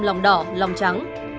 lòng đỏ lòng trắng